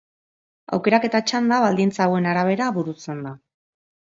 Aukeraketa txanda baldintza hauen arabera burutzen da.